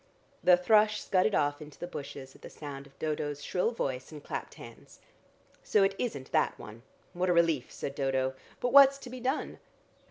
The thrush scudded off into the bushes at the sound of Dodo's shrill voice and clapped hands. "So it isn't that one. What a relief!" said Dodo. "But what's to be done?"